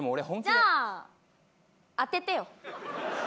じゃあ当ててよ。